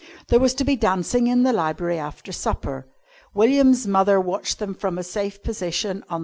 There was to be dancing in the library after supper. William's mother watched them from a safe position on the floor.